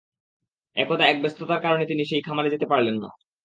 একদা এক ব্যস্ততার কারণে তিনি তার সেই খামারে যেতে পারলেন না।